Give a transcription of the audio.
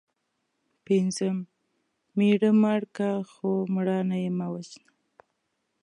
پنځم:مېړه مړ که خو مړانه یې مه وژنه